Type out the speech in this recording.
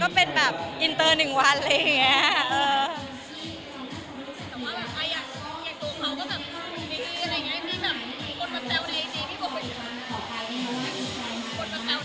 ก็คือถามว่าบอกรู้สึกยังไงหรอคะ